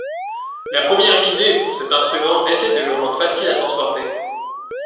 La première idée pour cet instrument était de le rendre facile à transporter.